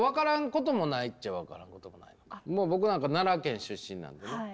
もう僕なんか奈良県出身なんでね。